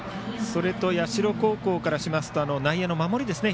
社高校からしますと内野の守りですね。